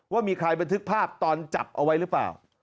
ว่ามีใครบันทึกภาพตอนจับเอาไว้หรือเปล่า